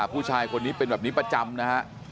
ผู้ชายคนนี้เป็นแบบนี้ประจำนะฮะ